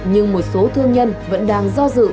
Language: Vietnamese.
nhưng một số thương nhân vẫn đang do dự